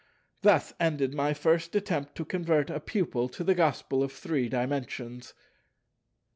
Thus ended my first attempt to convert a pupil to the Gospel of Three Dimensions.